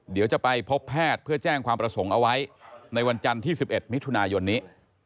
เดี๋ยวจะไปพบแพทย์เพื่อแจ้งความประสงค์เอาไว้ในวันจันทร์ที่๑๑มิถุนายนนี้